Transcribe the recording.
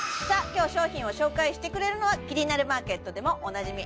今日商品を紹介してくれるのは「キニナルマーケット」でもおなじみ